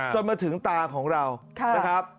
จนมาถึงตาของเรา